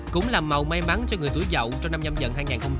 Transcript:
cũng là màu may mắn cho người tuổi dậu trong năm nhâm dận hai nghìn hai mươi hai